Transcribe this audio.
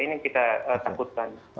ini yang kita takutkan